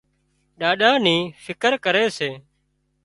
ڏاڏا نِي فڪر ڪري سي